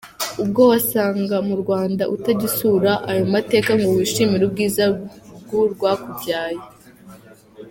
Ubwo wasanga mu Rwanda utajya usura ayo mateka ngo wishimire ubwiza bw’urwakubyaye!.